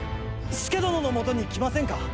佐殿のもとに来ませんか。